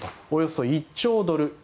およそ１兆ドル